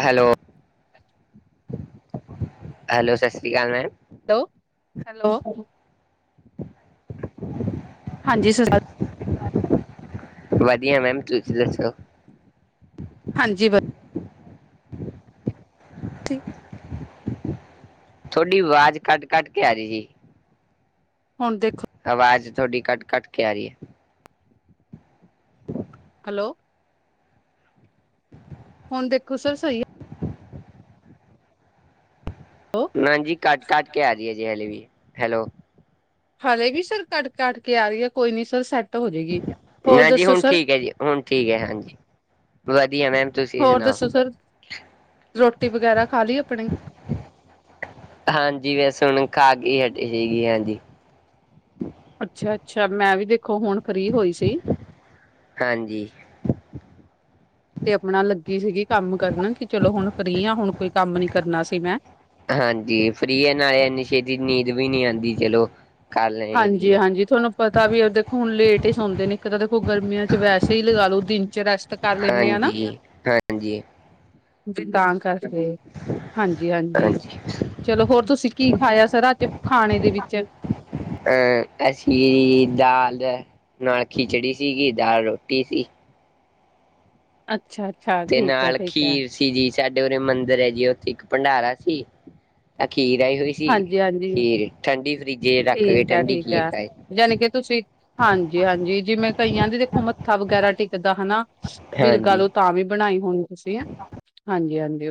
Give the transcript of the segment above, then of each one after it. Hello. Hello ਸਸ ਰੀ ਕਾਲ ਮੈਮ। Hello, hello. ਹਾਂਜੀ ਸ ਕਾਲ ਵਧੀਆ ਮੈਮ ਤੁਸੀਂ ਦੱਸੋ? ਹਾਂਜੀ ਵ ਥੋਡੀ ਵਾਜ਼ ਕੱਟ ਕੱਟ ਕੇ ਆ ਰਹੀ ਜੀ। ਹੁਣ ਦੇਖੋ। ਅਵਾਜ਼ ਥੋਡੀ ਕੱਟ ਕੱਟ ਕੇ ਆ ਰੀ ਐ। ਹੈਲੋ, ਹੁਣ ਦੇਖੋ ਸਰ ਸਹੀ ਐ ਹੈਲੋ। ਨਾ ਜੀ ਕੱਟ ਕੱਟ ਕੇ ਆ ਰਹੀ ਐ ਜੀ ਹਲੇ ਵੀ। ਹੈਲੋ ਹਲੇ ਵੀ ਸਰ ਕੱਟ ਕੱਟ ਕੇ ਆ ਰਹੀ ਐ ਕੋਈ ਨੀ ਸਰ ਸੈੱਟ ਹੋ ਜੇਗੀ ਹੋਰ ਨਾ ਜੀ ਦੱਸੋ ਹੁਣ ਸਰ? ਠੀਕ ਹੈ ਜੀ ਹੁਣ ਠੀਕ ਐ ਹਾਂਜੀ, ਵਧੀਆ ਮੈਮ। ਤੁਸੀਂ ਹੋਰ ਦੱਸੋ ਸੁਣਾਓ? ਸਰ, ਰੋਟੀ ਵਗੈਰਾ ਖਾ ਲਈ ਆਪਣੀ। ਹਾਂਜੀ ਬੱਸ ਹੁਣ ਖ਼ਾਕੇ ਹਟੀ ਸੀਗੇ ਹਾਂਜੀ। ਅੱਛਾ-ਅੱਛਾ ਮੈਂ ਵੀ ਦੇਖੋ ਹੁਣ ਫ੍ਰੀ ਹੋਈ ਸੀ। [inaudible] ਹਾਂਜੀ। ਤੇ ਆਪਣਾ ਲੱਗੀ ਸੀਗੀ ਕੰਮ ਕਰਨ ਕਿ ਚਲੋ ਹੁਣ ਫ੍ਰੀ ਹਾਂ ਹੁਣ ਕੋਈ ਕੰਮ ਨੀ ਕਰਨਾ ਸੀ ਮੈਂ। ਹਾਂਜੀ ਫਰੀ ਆ ਨਾਲੇ ਐਨੀ ਛੇਤੀ ਨੀਂਦ ਵੀ ਨੀ ਆਂਦੀ ਚਲੋ। ਕਰ ਲੈਣੀ ਚਾਹੀਦੀ ਹੈ, ਹਾਂਜੀ-ਹਾਂਜੀ ਤੁਹਾਨੂੰ ਪਤਾ ਵੀ ਦੇਖੋ ਹੁਨ ਲੇਟ ਈ ਸੌਂਦੇ ਨੇ ਇੱਕ ਤਾਂ ਦੇਖੋ ਚ ਵੈਸੇ ਈ ਲਗਾ ਲੋ ਦਿਨ ਚ ਰੈਸਟ ਕਰ ਲੈਂਦੇ ਆ ਨਾ, ਹਾਂਜੀ, ਹਾਂਜੀ, ਤਾਂ ਕਰ ਹਾਂਜੀ-ਹਾਂਜੀ। ਹਾਂਜੀ। ਚਲੋ ਹੋਰ ਤੁਸੀਂ ਕੀ ਖਾਇਆ ਸਰ ਅੱਜ ਖਾਣੇ ਦੇ ਵਿੱਚ। ਐ, ਅਸੀ ਦਾਲ ਨਾਲ ਖਿਚੜੀ ਸੀਗੀ ਦਾਲ ਰੋਟੀ ਸੀ। ਅੱਛਾ-ਅੱਛਾ ਤੇ ਠੀਕ ਐ ਨਾਲ ਠੀਕ ਐ। ਖੀਰ ਸੀ ਜੀ ਸਾਡੇ ਉਰੇ ਮੰਦਿਰ ਏ ਜੀ ਉੱਥੇ ਇੱਕ ਭੰਡਾਰਾ ਸੀ ਤਾ ਖੀਰ ਆਈ ਹੋਈ ਸੀ ਹਾਂਜੀ ਹਾਂਜੀ ਖੀਰ, ਠੰਡੀ ਫਰਿਜ਼ ਚ ਰੱਖ ਕੇ ਠੰਡੀ ਖੀਰ ਖਾਈ। ਜਾਣੀ ਕਿ ਤੁਸੀਂ ਹਾਂਜੀ-ਹਾਂਜੀ ਜਿਵੇਂ ਕਈਆਂ ਦੇ ਦੇਖੋ ਮੱਥਾ ਵਗੈਰਾ ਟਿਕਦਾ ਹਨਾ। ਵੀ ਲਗਾਲੋ ਹਾਂਜੀ ਤਾਂ ਵੀ ਬਣਾਈ ਹੋਣੀ ਤੁਸੀਂ ਹੇ ਹਾਂਜੀ ਹਾਂਜੀ।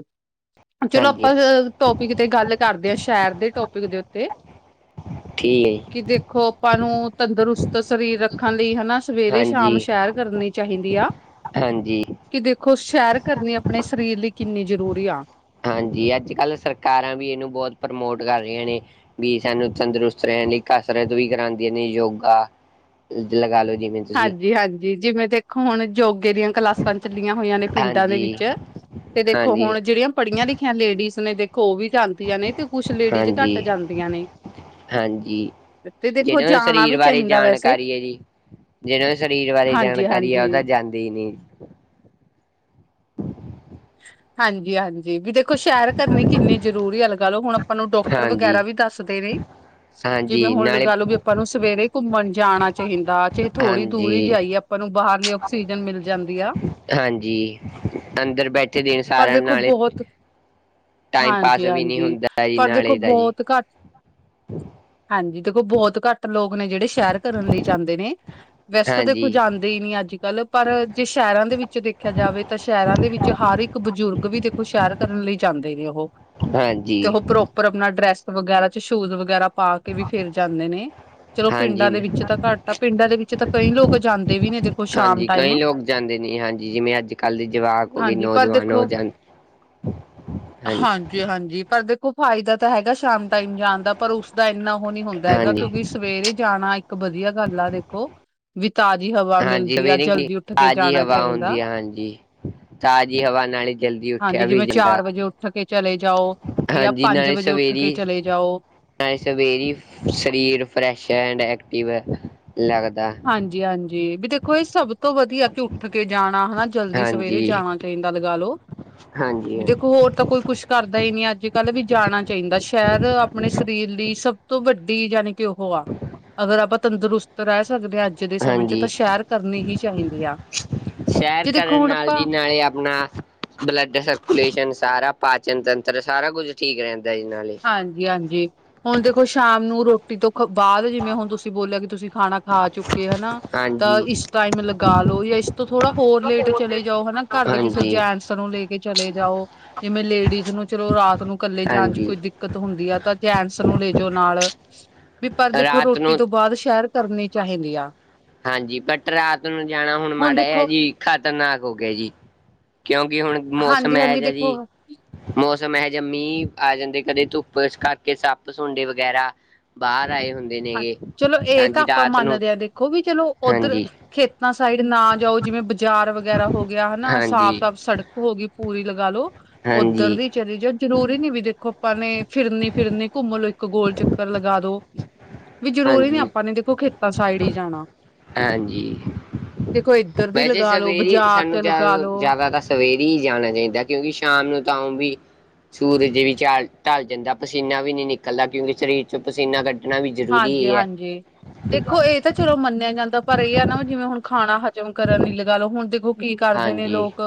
ਚਲੋ ਹਾਂਜੀ ਆਪਾਂ ਟੋਪਿਕ ਤੇ ਗੱਲ ਕਰਦੇ ਹਾਂ ਸੈਰ ਦੇ ਟੋਪਿਕ ਦੇ ਉੱਤੇ। ਠੀਕ ਕਿ ਦੇਖੋ ਆਪਾਂ ਨੂੰ ਤੰਦਰੁਸਤ ਤੋਂ ਸਰੀਰ ਰੱਖਣ ਲਈ ਹਨਾ ਸਵੇਰੇ ਸ਼ਾਮ ਹਾਂਜੀ ਸੈਰ ਕਰਨੀ ਚਾਹੀਦੀ ਆ। ਹਾਂਜੀ ਕਿ ਦੇਖੋ ਸ਼ੈਰ ਕਰਨੀ ਆਪਣੇ ਸਰੀਰ ਲਈ ਕਿੰਨੀ ਜ਼ਰੂਰੀ ਆ। ਹਾਂਜੀ ਅੱਜ ਕੱਲ੍ਹ ਸਰਕਾਰਾਂ ਵੀ ਇਨੂੰ ਬਹੁਤ ਪ੍ਰਮੋਟ ਕਰ ਰਹੀਆਂ ਨੇ। ਵੀ ਸਾਨੂੰ ਤੰਦਰੁਸਤ ਰੈਨ ਲਈ ਕਸਰਤ ਵੀ ਕਰਾਦੀਆਂ ਨੇ ਯੋਗਾ ਲਗਾਲੋ ਜਿਵੇਂ ਤੁਸੀਂ ਹਾਂਜੀ-ਹਾਂਜੀ ਜਿਵੇਂ ਦੇਖੋ ਹੁਣ ਜੋਗੇ ਦੀਆਂ ਕਲਾਸਾਂ ਚੱਲੀਆਂ ਹੋਈਆਂ ਨੇ ਪਿੰਡਾਂ ਦੇ ਹਾਂਜੀ ਵਿੱਚ, ਤੇ ਦੇਖੋ ਹਾਂਜੀ ਹੁਣ ਜੇੜੀਆਂ ਪੜ੍ਹੀਆਂ ਲਿਖੀਆਂ ਲੇਡੀਜ਼ ਨੇ ਦੇ ਖੋ ਵੀ ਜਾਂਦੀਆਂ ਨੇ ਤੇ ਕੁਛ ਲੇਡੀਜ਼ ਹਾਂਜੀ ਘੱਟ ਜਾਂਦੀਆਂ ਨੇ। ਹਾਂਜੀ ਤੇ ਦੇਖੋ ਜੇੜੇ ਜਾਣਾ ਸਰੀਰ ਵੀ ਬਾਰੇ ਚਾਹੀਦਾ ਵੈਸੇ ਜਾਣਕਾਰੀ ਏ ਜੀ। ਜੇੜੇ ਸਰੀਰ ਬਾਰੇ ਜਾਣਕਾਰੀ ਆ ਉ ਹਾਂਜੀ-ਹਾਂਜੀ, ਤਾਂ ਜਾਂਦੇ ਈ ਨੀ। ਹਾਂਜੀ-ਹਾਂਜੀ। ਜੀ ਵੀ ਦੇਖੋ ਸੈਰ ਕਰਨੀ ਕਿੰਨੀ ਜ਼ਰੂਰੀ ਲਗਾਲੋ ਹੁਣ ਆਪਾਂ ਨੂੰ ਡਾਕਟਰ ਹਾਂਜੀ ਵਗੈਰਾ ਵੀ ਦੱਸਦੇ ਨੇ। ਹਾਂਜੀ ਨਾਲੇ ਤੁਹਾਨੂੰ ਨੂੰ ਸਵੇਰੇ ਘੁੰਮਣ ਜਾਣਾ ਚਾਹੀਦਾ ਥੋੜ੍ਹੀ ਦੂਰ ਈ ਹਾਂਜੀ ਜਾਈਏ ਆਪਾਂ ਨੂੰ ਬਾਹਰਲੀ ਆਕਸੀਜ਼ਨ ਮਿਲ ਜਾਂਦੀ ਆ‌। ਹਾਂਜੀ ਅੰਦਰ ਬੈਠੇ ਦਿਨ ਪਰ ਸਾਰਿਆਂ ਦੇਖੋ ਨਾਲੇ ਬਹੁਤ ਟਾਈਮ ਪਾਸ ਵੀ ਨਹੀਂ ਹਾਂਜੀ-ਹਾਂਜੀ ਹੁੰਦਾ ਜੀ ਪਰ ਦੇਖੋ ਨਾਲੇ ਦਾ ਜੀ ਬਹੁਤ ਘੱਟ ਹਾਂਜੀ ਦੇਖੋ ਬਹੁਤ ਘੱਟ ਲੋਕ ਨੇ ਜੇੜੇ ਸੈਰ ਕਰਨ ਲਈ ਜਾਂਦੇ ਨੇ। ਵੈਸੇ ਤਾਂ ਦੇਖੋ ਹਾਂਜੀ ਜਾਂਦੇ ਈ ਨੀ ਅੱਜ ਕੱਲ੍ਹ ਪਰ ਜੇ ਸ਼ਹਿਰਾਂ ਦੇ ਵਿੱਚ ਦੇਖਿਆ ਜਾਵੇ ਤਾਂ ਸ਼ਹਿਰਾਂ ਦੇ ਵਿੱਚ ਹਰ ਇੱਕ ਬਜ਼ੁਰਗ ਵੀ ਦੇਖੋ ਸ਼ੈਰ ਕਰਨ ਲਈ ਜਾਂਦੇ ਨੇ ਉਹੋ, ਤੇ ਹਾਂਜੀ ਉਹ ਪਰੋ ਪਰ ਆਪਣਾ ਡਰੈੱਸ ਵਗੈਰਾ ਤੇ ਸ਼ੂਜ ਵਗੈਰਾ ਪਾ ਕੇ ਵੀ ਫੇਰ ਜਾਂਦੇ ਨੇ। ਚਲੋ ਪਿੰਡਾਂ ਦੇ ਹਾਂਜੀ ਵਿੱਚ ਤਾਂ ਘੱਟ ਆ ਪਿੰਡਾਂ ਦੇ ਵਿੱਚ ਤਾਂ ਕਈ ਲੋਕ ਜਾਂਦੇ ਵੀ ਨੇ ਦੇਖੋ ਸ਼ਾਮ ਹਾਂਜੀ ਟਾਈਮ ਕਈ ਲੋਕ ਜਾਂਦੇ ਨੇ ਹਾਂਜੀ ਜਿਵੇਂ ਅੱਜ ਕੱਲ੍ਹ ਦੇ ਜਵਾਕ ਹੋ ਗਏ ਹਾਂਜੀ ਪਰ ਨੌਜਵਾਨ ਦੇਖੋ ਉਹ ਜਾਂਦੇ ਹਾਂਜੀ ਜੀ ਹਾਂਜੀ ਪਰ ਦੇਖੋ ਫਾਇਦਾ ਤਾਂ ਹੈਗਾ ਸ਼ਾਮ ਟਾਈਮ ਜਾਣ ਦਾ, ਪਰ ਉਸਦਾ ਇੰਨਾ ਉਹ ਨੀ ਹੁੰਦਾ ਹੈਗਾ ਹਾਂਜੀ ਕਿਉਂਕਿ ਸਵੇਰੇ ਜਾਣਾ ਇੱਕ ਵਧੀਆ ਗੱਲ ਆ ਦੇਖੋ। ਵੀ ਤਾਜ਼ੀ ਹਵਾ ਹਾਂਜੀ ਮਿਲਦੀ ਆ ਸਵੇਰੇ ਕੀ ਜਲਦੀ ਉੱਠ ਕੇ ਤਾਜ਼ੀ ਜਾਣਾ ਹਵਾ ਚਾਹੀਦਾ। ਹੁੰਦੀ ਹੈ ਹਾਂਜੀ ਤਾਜ਼ੀ ਹਵਾ ਨਾਲ ਈ ਜਲਦੀ ਉੱਠਿਆ ਹਾਂਜੀ ਵੀ ਜਿਵੇਂ ਜਾਂਦਾ ਚਾਰ ਵਜੇ ਉੱਠ ਕੇ ਚਲੇ ਜਾਓ ਜਾਂ ਹਾਂਜੀ ਪੰਜ ਨਾਲੇ ਵਜੇ ਉੱਠ ਸਵੇਰੀ ਕੇ ਚਲੇ ਜਾਓ ਨਾਲੇ ਸਵੇਰੇ ਸ਼ਰੀਰ ਫਰੈਸ਼ ਐਂਡ ਐਕਟਿਵ ਲਗਦਾ। ਹਾਂਜੀ ਹਾਂਜੀ ਵੀ ਦੇਖੋ ਇਹ ਸਭ ਸਭ ਤੋਂ ਵਧੀਆ ਕਿ ਉੱਠ ਕੇ ਜਾਣਾ ਹਨਾ ਜਲਦੀ ਸਵੇਰੇ ਹਾਂਜੀ ਜਾਣਾ ਚਾਹੀਦਾ ਲਗਾ ਲੋ ਹਾਂਜੀ ਵੀ ਦੇਖੋ ਹੋਰ ਤਾਂ ਕੋਈ ਕੁੱਛ ਕਰਦਾ ਹੀ ਨਹੀਂ ਅੱਜ ਕੱਲ੍ਹ ਵੀ ਜਾਣਾ ਚਾਹੀਦਾ, ਸੈਰ ਆਪਣੇ ਸਰੀਰ ਲਈ ਸਭ ਤੋਂ ਵੱਡੀ ਜਾਣੀ ਕਿ ਉਹੋ ਆ, ਅਗਰ ਆਪਾਂ ਤੰਦਰੁਸਤ ਰਹਿ ਸਕਦੇ ਅੱਜ ਅੱਜ ਦੇ ਸਮਯ 'ਚ ਤਾਂ ਹਾਂਜੀ ਸੈਰ ਕਰਨੀ ਹੀ ਚਾਹੀਦੀ ਆ। ਸੈਰ ਜੇ ਦੇਖੋ ਕਰਨ ਹੁਣ ਨਾਲ ਆਪਾਂ ਜੀ ਨਾਲੇ ਆਪਣਾ ਬਲੱਡ ਸਰਕੂਲੇਸ਼ਨ ਸਾਰਾ ਪਾਚਨ-ਤੰਤਰ ਸਾਰਾ ਕੁਝ ਠੀਕ ਰਹਿੰਦਾ ਜੀ ਨਾਲੇ। ਹਾਂਜੀ ਹਾਂਜੀ ਹੁਣ ਦੇਖੋ ਸ਼ਾਮ ਨੂੰ ਰੋਟੀ ਤੋਂ ਬਾਦ ਜਿਵੇਂ ਹੁਣ ਤੁਸੀਂ ਬੋਲਿਆ ਕਿ ਤੁਸੀਂ ਖਾਣਾ ਖਾ ਆ ਚੁੱਕੇ ਹਨਾ ਤਾਂ ਹਾਂਜੀ ਇਸ ਟਾਈਮ ਲਗਾ ਲਓ ਜਾਂ ਇਸ ਤੋਂ ਥੋੜਾ ਹੋਰ ਲੇਟ ਚਲੇ ਜਾਓ ਹਨਾ ਘਰ ਦੇ ਕਿਸੇ ਹਾਂਜੀ ਜੈਂਟਸ ਨੂੰ ਲੈ ਕੇ ਚਲੇ ਜਾਓ ਜਿਵੇਂ ਲੇਡੀਜ਼ ਨੂੰ ਚਲੋ ਰਾਤ ਨੂੰ ਕੱਲੇ ਜਾਣ ਚ ਹਾਂਜੀ ਕੋਈ ਦਿੱਕਤ ਹੁੰਦੀ ਆ, ਤਾਂ ਜੈਂਟਸ ਨੂੰ ਲੈਜੋ ਨਾਲ ਵੀ ਪਰ ਦੇਖੋ ਰਾਤ ਰੋਟੀ ਨੂੰ ਤੋਂ ਬਾਦ ਸੈਰ ਕਰਨੀ ਚਾਹੀਦੀ ਆ। ਹਾਂਜੀ ਬਟ ਰਾਤ ਨੂੰ ਜਾਣਾ ਹੁਣ ਮਾੜਾ ਜਾ ਜੀ ਖ਼ਤਰਨਾਕ ਹੋ ਗਿਆ ਜੀ ਕਿਉਂਕਿ ਹੁਣ ਮੌਸਮ ਇਹਾ ਹਾਂਜੀ-ਹਾਂਜੀ ਜਿਹਾ ਜੀ ਦੇਖੋ ਮੌਸਮ ਇਹ ਜਾ ਮੀਂਹ ਆ ਜਾਂਦੇ ਕਦੇ ਧੁੱਪ ਇਸ ਕਰਕੇ ਸੱਪ ਸੁੰਡੀ ਵਗੈਰਾ ਬਾਹਰ ਆਏ ਹੁੰਦੇ ਹਾਂ ਨੇਗੇ ਚਲੋ ਇਹ ਤਾਂ ਹਾਂਜੀ ਆਪਾਂ ਰਾਤ ਨੂੰ ਮੰਨਦੇ ਹਾਂ ਦੇਖੋ ਵੀ ਚਲੋ ਉੱਧਰ ਹਾਂਜੀ ਖੇਤਾਂ ਸਾਈਡ ਨਾ ਜਾਓ ਜਿਵੇਂ ਬਾਜ਼ਾਰ ਵਗੈਰਾ ਹੋ ਗਿਆ ਹਨਾ ਹਾਂਜੀ ਸਾਫ਼-ਸਾਫ਼ ਸੜਕ ਹੋ ਗਈ ਪੂਰੀ ਲਗਾ ਲੋ ਉਧਰ ਹਾਂਜੀ ਦੀ ਚਲੇ ਜਾਓ ਜਰੂਰੀ ਨੀ ਵੀ ਦੇਖੋ ਆਪਾਂ ਨੇ ਫਿਰਨੀ ਫਿਰਨੀ ਘੁੰਮ ਲੋ ਇੱਕ ਗੋਲ ਚੱਕਰ ਲਗਾ ਦੋ। ਵੀ ਜਰੂਰੀ ਨੀ ਹਾਂਜੀ ਆਪਾਂ ਨੇ ਦੇਖੋ ਖੇਤਾਂ ਸਾਈਡ ਹੀ ਜਾਣਾ। ਹਾਂਜੀ, ਦੇਖੋ ਇੱਧਰ ਦੀ ਵੈਸੇ ਲਗਾ ਲੋ ਸਵੇਰੇ ਹੀ ਬਾਜ਼ਾਰ ਚ ਸਾਨੂੰ ਜ਼ਿਆਦਾ ਲਗਾ ਲੋ ਤੋਂ ਜ਼ਿਆਦਾ ਦ ਸਵੇਰੇ ਹੀ ਜਾਣਾ ਚਾਹੀਦਾ ਕਿਉਂਕਿ ਸ਼ਾਮ ਨੂੰ ਉ ਵੀ ਸੂਰਜ ਵੀ ਢਲ ਜਾਂਦਾ ਪਸੀਨਾ ਵੀ ਨਹੀਂ ਨਿਕਲਦਾ ਕਿਉਂਕਿ ਸਰੀਰ ਚੋਂ ਪਸੀਨਾ ਕੱਢ ਕੱਢਣਾ ਵੀ ਜ਼ਰੂਰੀ ਹਾਂਜੀ ਈ ਐ ਹਾਂਜੀ ਦੇਖੋ ਇਹ ਤਾਂ ਚਲੋ ਮੰਨਿਆ ਜਾਂਦਾ ਪਰ ਇਹ ਹੈ ਨਾ ਜਿਵੇਂ ਹੁਣ ਖਾਣਾ ਹਜ਼ਮ ਕਰਨ ਲਈ ਲਗਾ ਲਓ ਹੁਣ ਦੇਖੋ ਕੀ ਕਰਦੇ ਨੇ ਹਾਂਜੀ ਲੋਕ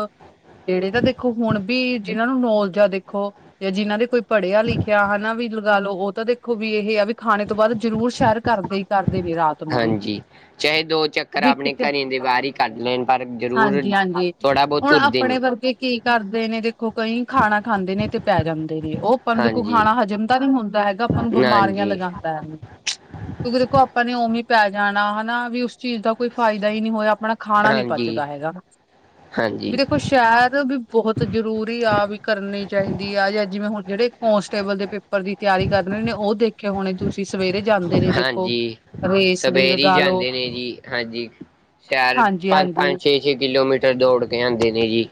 ਜਿਹੜੇ ਤਾਂ ਦੇਖੋ ਹੁਣ ਵੀ ਜਿਹਨਾਂ ਨੂੰ ਨੌਲਜ਼ ਐ ਦੇਖੋ ਜਾਂ ਜਿਨ੍ਹਾਂ ਕੋਈ ਪੜ੍ਹਿਆ ਲਿਖਿਆ ਹਨਾ ਵੀ ਲਗਾ ਲੋ ਉਹ ਤਾਂ ਦੇਖੋ ਵੀ ਇਹ ਆ ਵੀ ਖਾਣੇ ਤੋਂ ਬਾਅਦ ਜ਼ਰੂਰ ਸੈਰ ਕਰਦੇ ਕਰਦੇ ਨੇ ਰਾਤ ਨੂੰ ਵੀ ਹਾਂਜੀ ਚਾਹੇ ਦੋ ਚੱਕਰ ਵੀ ਆਪਣੇ ਕਿਤੇ ਘਰੇ ਦੇ ਬਾਹਰ ਹੀ ਕੱਢ ਲੈਣ ਪਰ ਜ਼ਰੂਰ ਹਾਂਜੀ ਹਾਂਜੀ ਥੋੜ੍ਹਾ ਬਹੁਤ ਹੁਣ ਤੁਰਦੇ ਆਪਣੇ ਨੇ ਵਰਗੇ ਕੀ ਕਰਦੇ ਨੇ, ਦੇਖੋ ਕਈ ਖਾਣਾ ਖਾਂਦੇ ਨੇ ਤੇ ਪੈ ਜਾਂਦੇ ਨੇ ਉਹ ਆਪਾਂ ਨੂੰ ਦੇਖੋ ਹਾਂਜੀ ਖਾਣਾ ਹਜ਼ਮ ਦਾ ਨੀ ਹੁੰਦਾ ਹੈਗਾ ਆਪਾਂ ਨੂੰ ਬਿਮਾਰੀਆਂ ਹਾਂਜੀ ਲਗਾ ਕਿਉਂਕਿ ਦੇਖੋ ਆਪਾਂ ਨੇ ਉਵੇ ਹੀ ਪੈ ਜਾਣਾ ਹਨਾ ਵੀ ਉਸ ਚੀਜ਼ ਦਾ ਕੋਈ ਫਾਇਦਾ ਹੀ ਨਹੀਂ ਹੋਇਆ ਆਪਣਾ ਖਾਣਾ ਨੀ ਹਾਂਜੀ ਪਚਦਾ ਹੈਗਾ, ਹਾਂਜੀ ਵੀ ਦੇਖੋ ਸ਼ਹਿਦ ਵੀ ਬਹੁਤ ਜ਼ਰੂਰੀ ਆ ਵੀ ਕਰਨੀ ਚਾਹੀਦੀ ਆ ਜੇ ਜਿਵੇਂ ਹੁਣ ਜਿਹੜੇ ਕੋਂਸਟੇਬਲ ਦੇ ਪੇ ਉੱਪਰ ਦੀ ਤਿਆਰੀ ਕਰਨ ਰਹੇ ਨੇ ਉਹ ਦੇਖੇ ਹੋਣੇ ਤੁਸੀਂ ਸਵੇਰੇ ਜਾਂਦੇ ਨੇ ਦੇਖੋ ਹਾਂਜੀ ਰੇਸ ਲਈ ਸਵੇਰੇ ਈ ਲਗਾ ਲੋ ਜਾਂਦੇ ਨੇ ਜੀ ਹਾਂਜੀ। ਸ਼ਹਿਰ ਹਾਂਜੀ ਹਾਂਜੀ ਪੰਜ-ਪੰਜ, ਛੇ-ਛੇ ਕਿਲੋਮੀਟਰ ਦੌੜ ਕੇ ਆਦੇ ਨੇ ਜੀ।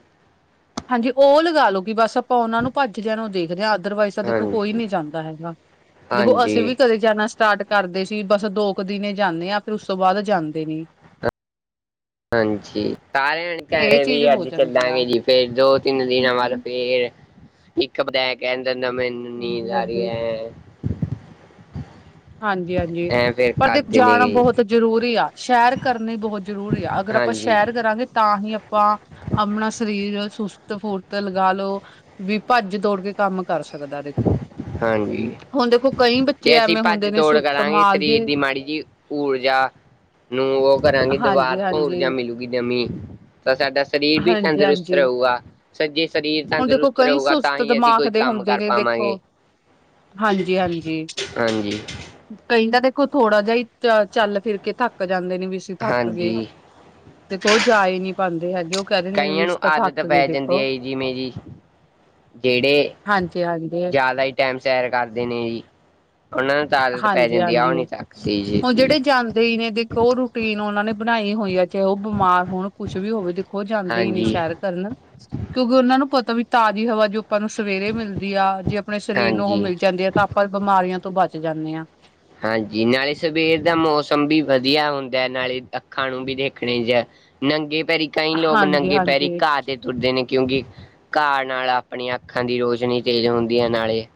ਹਾਂਜੀ ਉਹ ਲਗਾ ਲੋ ਕਿ ਬਸ ਆਪਾਂ ਉਹਨਾਂ ਨੂੰ ਭੱਜਦਿਆਂ ਨੂੰ ਦੇਖਦੇ ਆ ਅਦਰਵਾਈਜ਼ ਦੇਖੋ ਕੋਈ ਹਾਂਜੀ ਨੀ ਜਾਂਦਾ ਹੈਗਾ, ਦੇਖੋ ਹਾਂਜੀ ਅਸੀਂ ਵੀ ਕਦੇ ਜਾਣਾ ਸਟਾਟ ਕਰਦੇ ਸੀ ਬਸ ਦੋ ਕੁ ਦਿਨ ਜਾਨੇ ਆ ਫਿਰ ਉਸ ਤੋਂ ਬਾਦ ਜਾਂਦੇ ਨੀ ਹਾਂਜੀ ਸਾਰੇ ਆਂ ਇਹ ਕਹਿ ਵੀ ਚੀਜ਼ ਹੋ ਅੱਜ ਜਾਂਦੀ ਆ ਚੱਲਾਂਗੇ ਜੀ। ਫੇਰ ਦੋ, ਤਿੰਨ ਦਿਨਾਂ ਬਾਦ ਫੇਰ ਇੱਕ [unintelligible] ਨੀਂਦ ਹਾਂਜੀ ਆ ਰੀ ਹਾਂਜੀ ਐ। ਹਾਂਜੀ ਹਾਂਜੀ, ਐ ਫੇਰ ਪਰ ਦੇਖ ਕਰਦੇ ਨੇ ਜਾਣਾ ਜੀ ਬਹੁਤ ਜ਼ਰੂਰੀ ਆ ਸੈਰ ਕਰਨੀ ਬਹੁਤ ਜ਼ਰੂਰੀ ਆ ਅਗਰ ਆਪਾਂ ਹਾਂਜੀ ਸੈਰ ਕਰਾਂਗੇ ਤਾਂਹੀ ਆ ਆਪਾਂ ਆਪਣਾ ਸਰੀਰ ਸੁਸਤ ਫੁਰਤ ਲਗਾ ਲੋ ਵੀ ਭੱਜ ਤੋੜ ਕੇ ਕੰਮ ਕਰ ਸਕਦਾ ਦੇਖੋ, ਹਾਂਜੀ ਹੁਣ ਦੇਖੋ ਕਈ ਬੱਚੇ ਜੇ ਅਸੀਂ ਐਵੇਂ ਹੁੰਦੇ ਭੱਜ ਨੇ ਦੌੜ ਸੁ ਕਰਾਂਗੇ ਕਮਾਲ ਦੇ ਸਰੀਰ ਦੀ ਮਾੜੀ ਜੀ ਊਰਜਾ ਨੂੰ ਉਹ ਕਰਾਂਗੀ ਦਬਾਰ ਤੋਂ ਊਰਜਾ ਹਾਂਜੀ-ਹਾਂਜੀ, ਮਿਲੂਗੀ ਨਵੀਂ ਤਾਂ ਸਾਡਾ ਸਰੀਰ ਵੀ ਤੰਦਰੁਸਤ ਹਾਂਜੀ-ਹਾਂਜੀ। ਰਹੁਗਾ ਜੇ ਸਰੀਰ ਹੁਣ ਦੇਖੋ ਤੰਦਰੁਸਤ ਕਈ ਰਹੁਗਾ ਸੁਸਤ ਤਾਂਹੀ ਅਸੀਂ ਦਿਮਾਗ ਕੋਈ ਦੇ ਕੰਮ ਹੁੰਦੇ ਕਰ ਨੇ ਪਾਵਾਂਗੇ, ਦੇਖੋ, ਹਾਂਜੀ-ਹਾਂਜੀ। ਹਾਂਜੀ। ਕਈ ਤਾਂ ਦੇਖੋ ਥੋੜਾ ਜਾ ਈ ਚੱਲ ਫਿਰ ਕੇ ਥੱਕ ਜਾਂਦੇ ਨੇ ਵੀ ਅਸੀਂ ਥੱਕ ਗਏ। ਹਾਂਜੀ ਤੇ ਉਹ ਜਾ ਏ ਈ ਨੀ ਪਾਦੇ ਹੈਗੇ ਉਹ ਕਹਿ ਦਿੰਦੇ ਨੇ ਵੀ ਕਈਆਂ ਅਸੀਂ ਨੂੰ ਤਾਂ ਆਦਤ ਥੱਕ ਗਏ ਪੈ ਜਾਂਦੀ ਦੇਖੋ। ਐ ਜਿਵੇਂ ਜੀ ਜਿਹੜੇ, ਹਾਂਜੀ ਹਾਂਜੀ ਜ਼ਿਆਦਾ ਈ ਟਾਈਮ ਸੈਰ ਕਰਦੇ ਨੇ ਜੀ ਉਹਨਾਂ ਤਾਕਤ ਪੈ ਹਾਂਜੀ ਜਾਂਦੀ ਆ ਉਹ ਨੀ ਥੱਕਦੇ ਜੀ। ਦੇਈੜਨੇ ਦੇਖੋ ਉਹ ਰੂਟੀਨ ਉਹਨਾਂ ਨੇ ਬਣਾਈ ਹੋਈ ਆ ਚ ਉਹ ਬਿਮਾਰ ਹੋਣ ਕੁਛ ਵੀ ਹੋਵੇ ਉਹ ਜਾਂਦੇ ਈ ਨੇ ਹਾਂਜੀ ਸ਼ਹਿਰ ਕਰਨ, ਕਿਉਂਕਿ ਉਹਨਾਂ ਨੂੰ ਪਤਾ ਵੀ ਤਾਜ਼ੀ ਹਵਾ ਜੋ ਆਪਾਂ ਨੂੰ ਸਵੇਰੇ ਮਿਲਦੀ ਆ ਜੇ ਆਪਣੇ ਸਰੀਰ ਨੂੰ ਉਹ ਹਾਂਜੀ ਮਿਲ ਜਾਂਦੀ ਆ ਤਾਂ ਆਪਾਂ ਬਿਮਾਰੀਆਂ ਤੋਂ ਬਚ ਜਾਨੇ ਆ ਹਾਂਜੀ ਨਾਲੇ ਸਵੇਰ ਦਾ ਮੌਸਮ ਵੀ ਵਧੀਆ ਹੁੰਦਾ ਨਾਲੇ ਅੱਖਾਂ ਨੂੰ ਵੀ ਦੇਖਣੇ ਜਾਂ ਨੰਗੇ ਪੈਰੀ ਕਈ ਲੋਕ ਹਾਂਜੀ ਨੰਗੇ ਪੈਰੀ ਹਾਂਜੀ ਘਾਹ ਤੇ ਤੁਰਦੇ ਨੇ ਕਿਉਂਕਿ, ਘਾਹ ਨਾਲ ਆਪਣੀਆਂ ਅੱਖਾਂ ਦੀ ਰੋਸ਼ਨੀ ਤੇਜ਼ ਹੁੰਦੀ ਐ ਨਾਲੇ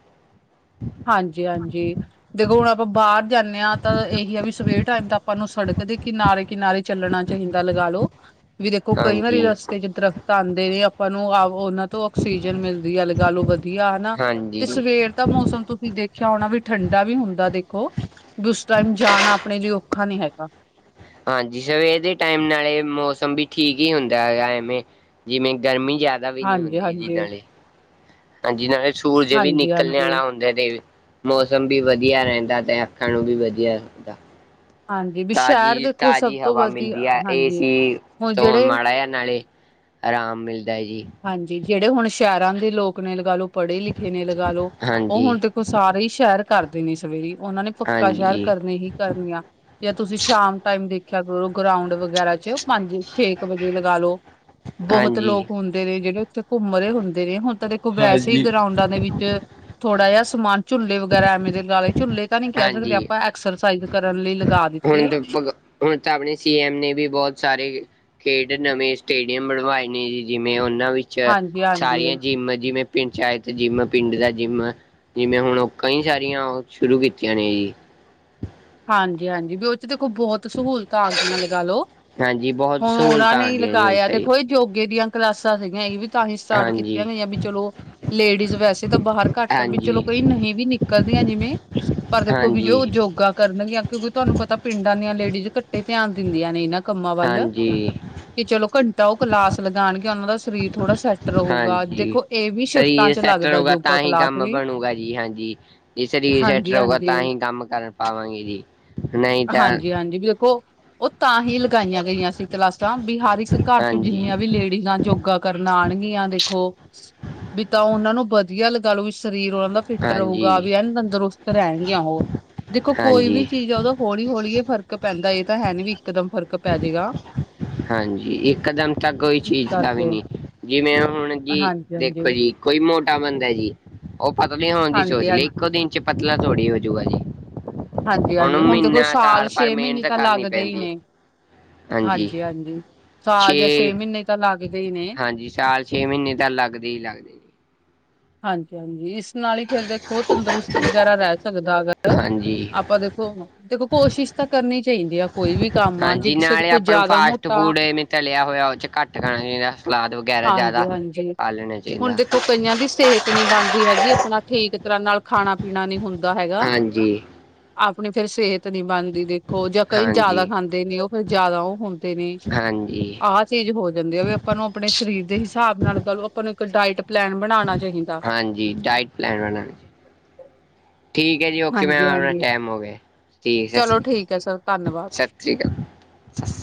ਹਾਂਜੀ ਹਾਂਜੀ, ਦੇਖੋ ਹੁਣ ਆਪਾਂ ਬਾਰ ਜਾਨੇ ਆ ਤਾਂ ਇਹੀ ਆ ਵੀ ਸਵੇਰ ਟਾਈਮ ਤਾਂ ਆਪਾਂ ਨੂੰ ਸੜਕ ਦੇ ਕਿਨਾਰੇ ਕਿਨਾਰੇ ਚੱਲਣਾ ਚਾਹੀਦਾ ਲਗਾ ਲਓ, ਵੀ ਦੇਖੋ ਕਈ ਵਾਰੀ ਹਾਂਜੀ ਰ ਚ ਦਰਖਤ ਆਦੇ ਨੇ ਆਪਾਂ ਨੂੰ ਆਹੋ ਉਹਨਾਂ ਤੋਂ ਆਕਸੀਜਨ ਮਿਲਦੀ ਲਗਾ ਲੋ ਵਧੀਆ ਹਨਾ, ਤੇ ਹਾਂਜੀ ਸਵੇਰ ਦਾ ਮੌਸਮ ਤੁਸੀਂ ਦੇਖਿਆ ਹੋਣਾ ਵੀ ਠੰਡਾ ਵੀ ਹੁੰਦਾ ਐ ਦੇਖੋ, ਵੀ ਉਸ ਟਾਈਮ ਜਾਣਾ ਆਪਣੇ ਲਈ ਔਖਾ ਨੀ ਹੈਗਾ ਹਾਂਜੀ ਸਵੇਰ ਦੇ ਟਾਈਮ ਨਾਲੇ ਮੌਸਮ ਵੀ ਠੀਕ ਈ ਹੁੰਦਾ ਹੈਗਾ ਐਵੇਂ ਜਿਵੇ ਗਰਮੀ ਜਿਆ ਵੀ ਨੀ ਹੁੰਦੀ ਹਾਂਜੀ-ਹਾਂਜੀ, ਜਿਦਨ ਹਾਂਜੀ-ਹਾਂਜੀ। ਲਈ, ਹਾਂਜੀ ਨਾਲੇ ਸੂਰਜ ਵੀ ਹਾਂਜੀ ਨਿਕਲਣ ਹਾਂਜੀ ਆਲਾ ਹੁੰਦ ਨਦੇ, ਮੌਸਮ ਵੀ ਵਧੀਆ ਰਹਿੰਦਾ ਤੇ ਅੱਖਾਂ ਨੂੰ ਵੀ ਵਧੀਆ ਰਹਿੰਦਾ। ਹਾਂਜੀ ਵੀ ਸ਼ਹਿਰ ਤਾਜ਼ੀ ਦੇਖੋ ਸਭ ਤਾਜ਼ੀ ਤੋਂ ਹਵਾ ਮਿਲਦੀ ਵਧੀਆ ਐ ਹਾਂਜੀ ਏਸੀ ਹੁਣ ਤੋਂ ਜਿਹੜੇ ਮਾੜਾ ਜਾ ਨਾਲੇ ਆਰਾਮ ਮਿਲਦਾ ਐ ਜੀ। ਹਾਂਜੀ ਜਿਹੜੇ ਹੁਣ ਸ਼ਹਿਰਾਂ ਦੇ ਲੋਕ ਨੇ ਲਗਾ ਲੋ ਪੜ੍ਹੇ ਲਿਖੇ ਨੇ ਲਗਾ ਲੋ ਉਹ ਹਾਂਜੀ ਹੁਣ ਉਹ ਸਾਰੇ ਈ ਸੈਰ ਕਰਦੇ ਨੇ ਸਵੇਰੇ ਉਹਨਾਂ ਨੇ ਪੱਕਾ ਸੈਰ ਹਾਂਜੀ ਕਰਨੀ ਈ ਕਰਨੀ ਆਂ। ਜਾਂ ਤੁਸੀਂ ਸ਼ਾਮ ਟਾਈਮ ਦੇਖਿਆ ਕਰੋ ਗਰਾਉਂਡ ਵਗੈਰਾ ਚ ਪੰਜ ਛੇ ਕੁ ਵਜੇ ਲਗਾ ਲੋ, ਬਹੁਤ ਹਾਂਜੀ ਲੋਕ ਹੁੰਦੇ ਨੇ ਜਿਹੜੇ ਉੱਥੇ ਘੁੰਮ ਰਹੇ ਹੁੰਦੇ ਨੇ ਹੁਣ ਤਾਂ ਦੇ ਵੈਸੇ ਹਾਂਜੀ ਗਰਾਉਂਡਾਂ ਦੇ ਵਿੱਚ, ਥੋੜਾ ਜਿਹਾ ਸਮਾਨ ਝੁੱਲੇ ਵਗੈਰਾ ਐਵੇਂ ਦੇ ਲਵਾ ਲੇ। ਝੁੱਲੇ ਤਾਂ ਨੀਂ ਕਹਿ ਸਕਦੇ ਹਾਂਜੀ ਆਪਾਂ ਐਕਸਰਸਾਈਜ਼ ਕਰਨ ਲਈ ਲਗਾ ਦੇ- ਹੁਣ -ਹੁਣ ਤਾਂ ਆਪਣੇ ਸੀ ਐਮ ਨੇ ਵੀ ਬਹੁਤ ਸਾਰੇ ਏ ਖੇਡ ਨਵੇਂ ਸਟੇਡੀਅਮ ਬਣਵਾਏ ਨੇ ਜੀ, ਜਿਵੇਂ ਉਹਨਾਂ ਵਿੱਚ ਹਾਂਜੀ-ਹਾਂਜੀ, ਸਾਰੀਆਂ ਜਿੰਮ ਜਿਵੇਂ - ਪੰਚਾਇਤ ਜਿੰਮ, ਪਿੰਡ ਦਾ ਜਿੰਮ, ਜਿਵੇਂ ਹੁਣ ਉਹ ਕਈ ਸਾਰੀਆਂ ਉਹ ਸ਼ੁਰੂ ਕੀਤੀਆਂ ਨੇ ਜੀ। ਹਾਂਜੀ -ਹਾਂਜੀ ਵੀ ਉਹ ਚ ਦੇਖੋ ਬਹੁਤ ਸਹੂਲਤ ਤਾਂ ਆ ਗਈਆਂ ਲਗਾਂ ਲੋ, ਹਾਂਜੀ ਬਹੁਤ ਹੁਣ ਉਹਨਾਂ ਸਹੂਲਤਾਂ ਨੇ ਆ ਹੀ ਗਈਆਂ ਜੀ ਹੁਣ ਲਗਾਇਆ ਤਾਂ ਜੀ ਦੇਖੋ ਇਹ ਯੋਗੇ ਦੀਆਂ ਕਲਾਸਾਂ ਸੀਗੀਆਂ, ਇਹ ਵੀ ਤਾਂ ਹੀ ਸਟਾਟ ਹਾਂਜੀ ਕੀਤੀਆਂ ਨੇ, ਵੀ ਚੱਲੋ ਲੇਡੀਜ਼ ਵੈਸੇ ਤਾਂ ਬਾਹਰ ਘੱਟ ਵੀ ਚੱਲੋ ਹਾਂਜੀ ਕਈ ਨਹੀਂ ਵੀ ਨਿ ਕਰਦੀਆਂ ਜਿਵੇਂ, ਪਰ ਦੇਖੋ ਵੀ ਜੋ ਹਾਂਜੀ ਯੋਗਾ ਕਰਨਗੀਆਂ, ਆਪੇ ਕਿਉਂਕਿ ਤੁਹਾਨੂੰ ਪਤਾ ਪਿੰਡਾਂ ਦੀਆਂ ਲੇਡੀਜ਼ ਘਟੇ ਧਿਆਨ ਦਿੰਦੀਆਂ ਨੇ ਇਹਨਾਂ ਕੰਮਾਂ ਵੱਲ। ਹਾਂਜੀ ਕਿ ਚੱਲੋ ਘੰਟਾ ਉਹ ਕਲਾਸ ਲਗਾਉਣਗੇ, ਉਹਨਾ ਦਾ ਸਰੀਰ ਥੋੜਾ ਸੈਟ ਹਾਂਜੀ, ਸਹੀ ਏ ਸੈਟਲ ਲੱਗਦਾ ਹੋ ਗਿਆ ਯੋਗਾ ਤਾਂ ਹੀ ਕਲਾਸ ਕੰਮ ਵੀ ਬਣੂਗਾ ਜੀ ਹਾਂਜੀ। ਜੇ ਸਰੀਰ ਸੈਂਟ ਹਾਂਜੀ ਰਹੋਗਾ ਹਾਂਜੀ ਤਾਂ ਹੀ ਕੰਮ ਕਰ ਪਾਵਾਂਗੇ ਜੀ। ਨਹੀਂ ਤਾਂ ਹਾਂਜੀ-ਹਾਂਜੀ ਵੀ ਵੇਖੋ। ਉਹ ਤਾਂ ਹੀ ਲਗਾਈਆਂ ਗਈਆਂ ਸੀ ਕਲਾਸਾਂ, ਵੀ ਹਰ ਇੱਕ ਘਰ ਚ, ਹਾਂਜੀ ਜਿੰਨੀਆਂ ਵੀ ਲੇਡੀਜ਼ਾਂ ਯੋਗਾ ਕਰਨ ਆਣਗੀਆਂ, ਦੇਖੋ ਵੀ ਤਾਂ ਉਹਨਾਂ ਨੂੰ ਵਧੀਆ ਲਗਾ ਲਓ, ਵੀ ਸਰੀਰ ਉਹਨਾਂ ਦਾ ਫਿੱਟ ਰਹੋਗਾ, ਵੀ ਹਾਂਜੀ ਐਨ ਤੰਦਰੁਸਤ ਰਹਿਣਗੀਆਂ ਉਹ, ਦੇਖੋ ਕੋਈ ਵੀ ਹਾਂਜੀ ਚੀਜ਼ ਉਹਦਾ ਹੌਲੀ- ਹੌਲੀ ਫ਼ਰਕ ਪੈਂਦਾ, ਇਹ ਤਾਂ ਹੈ ਨੀ ਵੀ ਇੱਕਦਮ ਫਰਕ ਪੈ ਜੇ ਗਾ। ਹਾਂਜੀ, ਇਕਦਮ ਤਾਂ ਕੋਈ ਇਸ ਚੀਜ਼ ਦਾ ਵੀ ਕਰਕੇ ਨਹੀਂ, ਜਿਵੇਂ ਹੁਣ ਜੀ ਹਾਂਜੀ-ਹਾਂਜੀ, ਦੇਖੋ ਜੀ, ਕੋਈ ਮੋਟਾ ਬੰਦਾ ਜੀ, ਉਹ ਪਤਲੇ ਹੋਣ ਦੀ ਸੋਚ ਲਈ ਹਾਂਜੀ-ਹਾਂਜੀ। ਇੱਕੋ ਦਿਨ ਚ, ਪਤਲਾ ਥੋੜੀ ਹੋਜੋਗਾ ਜੀ। ਹਾਂਜੀ-ਹਾਂਜੀ ਉਹਨੂੰ ਹੁਣ ਦੇਖੋ ਮਹੀਨਾ ਸਾਲ ਪਰ ਛੇ ਮਹੀਨੇ ਮਿਹਨਤ ਤਾਂ ਕਰਨੀ ਲੱਗਦੇ ਈ ਪੈਂਦੀ ਨੇ। ਹੈ ਹਾਂਜੀ ਹਾਂਜੀ-ਹਾਂਜੀ। ਸਾਲ ਜਾਂ ਛੇ, ਮਹੀਨੇ ਤਾਂ ਲੱਗਦੇ ਹੀ ਨੇ ਹਾਂਜੀ, ਸਾਲ ਛੇ ਮਹੀਨੇ ਤਾਂ ਲੱਗਦੇ ਈ ਲੱਗਦੇ। ਜੀ ਹਾਂਜੀ- ਹਾਂਜੀ ਇਸ ਨਾਲ ਈ ਫੇਰ ਦੇਖੋ ਤੰਦਰੁਸਤ ਵਗੈਰਾ ਰਹਿ ਸਕਦਾ ਅਗਰ ਹਾਂਜੀ ਆਪਾਂ ਦੇਖੋ -ਦੇਖੋ ਕੋਸ਼ਿਸ਼ ਤਾਂ ਕਰਨੀ ਚਾਹੀਦੀ ਆ। ਕੋਈ ਵੀ ਕੰਮ ਆ ਜੇ ਹਾਂਜੀ ਕਿਸੇ ਦੇ ਨਾਲੇ ਕੋਈ ਆਪਾਂ ਨੂੰ ਜ਼ਿਆਦਾ ਫਾਸਟ ਮੋਟਾ ਫੂਡ ਅਵੇਂ ਤਲਿਆ ਹੋਇਆ ਉਹ ਚ ਘੱਟ ਖਾਣਾ ਚਾਹੀਦਾ, ਸਲਾਦ ਵਗੈਰਾ ਜ਼ਿਆਦਾ ਹਾਂਜੀ-ਹਾਂਜੀ ਖਾ ਲੈਣੇ ਚਾਹੀਦਾ। ਹੁਣ ਦੇਖੋ ਕਈਆਂ ਦੀ ਸਿਹਤ ਨਹੀਂ ਬਣਦੀ ਹੈਗੀ, ਆਪਣਾ ਠੀਕ ਤਰ੍ਹਾਂ ਨਾਲ ਖਾਣਾ ਪੀਣਾ ਨੀ ਹੁੰਦਾ ਹੈਗਾ। ਹਾਂਜੀ। ਆਪਣੀ ਫੇਰ ਸਿਹਤ ਨੀਂ ਬਣਦੀ ਦੇਖ ਖੋ ਜਾਂ ਕਈ ਜਿਆਦਾ ਹਾਂਜੀ ਖਾਂਧੇ ਨੇ, ਉਹ ਫੇਰ ਜਿਆਦਾ ਉਹ ਹੁੰਦੇ ਨੇ, ਹਾਂਜੀ ਆਹ ਚੀਜ਼ ਹੋ ਜਾਂਦੀ ਆ, ਵੀ ਆਪਾਂ ਨੂੰ ਆਪਣੇ ਸਰੀਰ ਦੇ ਹਿਸਾਬ ਨਾਲ ਕਰੋ, ਆਪਾਂ ਨੂੰ ਇੱਕ ਡਾਇਟ ਪਲੈਨ ਬਣਾਉਣਾ ਚਾਹੀਦਾ। ਹਾਂਜੀ, ਡਾਇਟ ਪਲੈਨ। ਠੀਕ ਏ ਜੀ, ਓਕੇ ਮੈਮ, ਹਾਂਜੀ-ਹਾਂਜੀ ਟਾਈਮ ਹੋ ਗਿਆ, ਠੀਕ ਸਸ ਚਲੋ ਠੀਕ ਹੈ ਸਰ ਧੰਨਵਾਦ ਸ੍ਰੀ। [unintelligible]